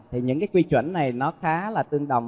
thì những cái quy chuẩn này nó khá là tương đồng